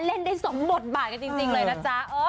เล่นได้สมบทบาทกันจริงเลยนะจ๊ะ